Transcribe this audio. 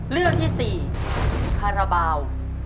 เรื่องที่๔คาราบาล